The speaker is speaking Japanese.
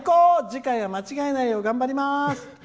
次回は間違いないよう頑張ります！」。